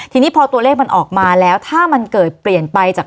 ทีนี้พอตัวเลขมันออกมาแล้วถ้ามันเกิดเปลี่ยนไปจาก